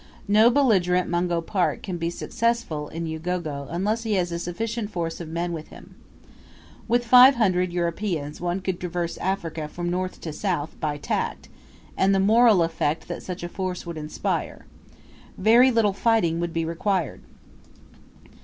No belligerent Mungo Park can be successful in Ugogo unless he has a sufficient force of men with him. With five hundred Europeans one could traverse Africa from north to south, by tact, and the moral effect that such a force would inspire. Very little fighting would be required.